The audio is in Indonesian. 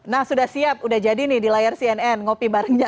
nah sudah siap udah jadi nih di layar cnn ngopi barengnya